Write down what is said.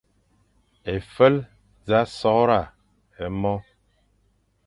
Éfel sa sorga e mo.